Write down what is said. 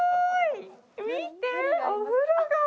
見てお風呂がある！